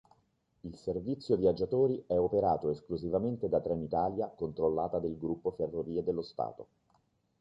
Il servizio viaggiatori è operato esclusivamente da Trenitalia controllata del gruppo Ferrovie dello Stato.